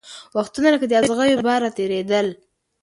وختونه لکه د اغزیو باره تېرېدل